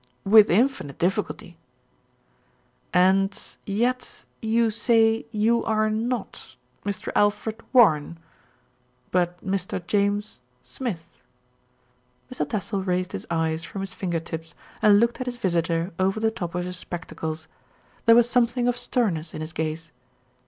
"With infinite difficulty." "And yet you say you are not Mr. Alfred Warren; but Mr. James Smith?" Mr. Tassell raised his eyes from his finger tips, and looked at his visitor over the top of his spectacles. There was something of stern ness in his gaze.